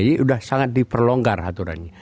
jadi sudah sangat diperlonggar aturannya